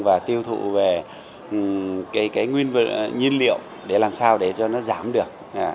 và tiêu thụ về cái nguyên liệu để làm sao để cho nó giảm được